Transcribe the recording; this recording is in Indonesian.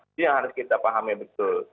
itu yang harus kita paham ya betul